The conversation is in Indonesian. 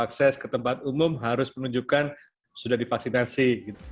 akses ke tempat umum harus menunjukkan sudah divaksinasi